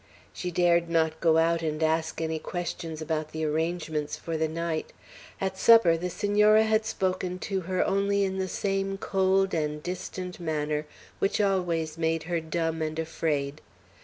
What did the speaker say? She dared not go out and ask any questions about the arrangements for the night. At supper the Senora had spoken to her only in the same cold and distant manner which always made her dumb and afraid.